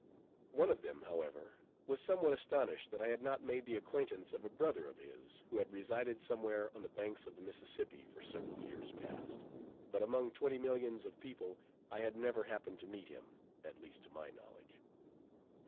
One of them, however, was somewhat astonished that I had not made the acquaintance of a brother of his, who had resided somewhere on the banks of the Mississippi for several years past; but among twenty millions of people, I had never happened to meet him, at least to my knowledge.